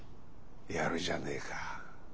やるじゃねえか。